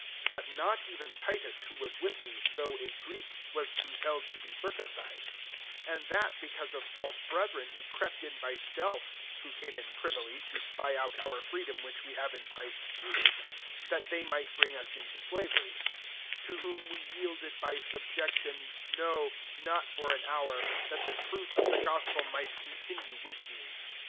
3 But not even Titus, who was with me, though a Greek, was compelled to be cir cumcised : 4 and that because of false brethren who crept in by stealth, (who came in privily to spy out our freedom which we have in Christ Jesus, " that they might bring us into sla very :) 5 [/o whom'] we yielded by subjection, [no not'] for an hour ; that the truth of the gos pel might continue with you.